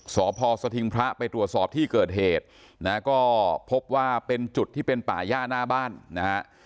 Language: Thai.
สพสถิงพระไปตรวจสอบที่เกิดเหตุนะฮะก็พบว่าเป็นจุดที่เป็นป่าย่าหน้าบ้านนะฮะ